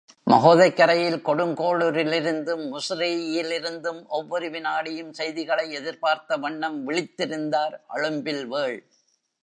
மகோதைக் கரையில் கொடுங்கோளுரிலிருந்தும், முசிறியிலிருந்தும் ஒவ்வொரு விநாடியும் செய்திகளை எதிர்பார்த்த வண்ணம் விழித்திருந்தார் அழும்பில்வேள்.